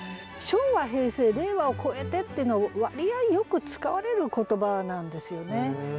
「昭和平成令和を越えて」っていうの割合よく使われる言葉なんですよね。